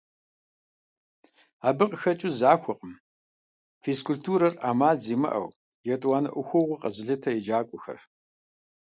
Абы къыхэкӀыу захуэкъым физкультурэр Ӏэмал зимыӀэу, етӀуанэ Ӏуэхугъуэу къэзылъытэ еджакӀуэхэр.